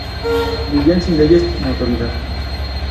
Vivían sin leyes ni autoridad.